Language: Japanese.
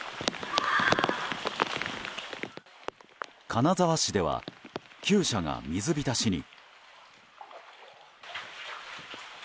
金沢市では、厩舎が水浸しに。